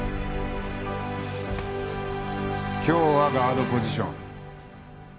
今日はガードポジション。